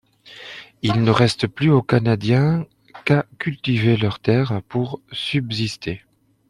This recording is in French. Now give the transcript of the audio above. Il ne reste plus aux Canadiens qu'à cultiver leurs terres pour subsister.